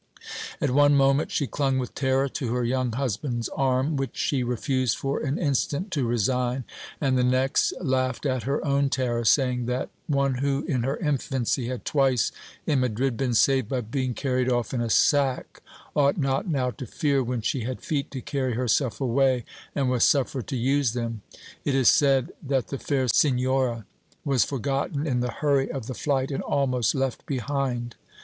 At one moment she clung with terror to her young husband's arm, which she refused for an instant to resign, and the next laughed at her own terror, saying that one who in her infancy had twice, in Madrid, been saved by being carried off in a sack ought not now to fear when she had feet to carry herself away and was suffered to use them! It is said that the fair Senora was forgotten in the hurry of the flight and almost left behind!